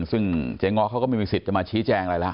ซึ่งเจ๊ง้อเขาก็ไม่มีสิทธิ์จะมาชี้แจงอะไรแล้ว